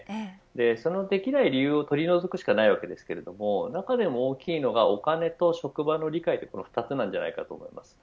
そのできない理由を取り除くしかないわけですけれど中でも大きいのがお金と職場の理解という２つだと思います。